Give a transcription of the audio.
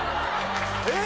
えっ？